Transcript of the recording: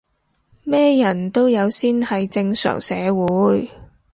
咩人都有先係正常社會